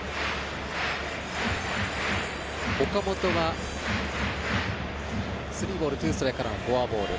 岡本はスリーボールツーストライクからのフォアボール。